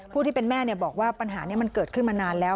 ที่เป็นแม่บอกว่าปัญหานี้มันเกิดขึ้นมานานแล้ว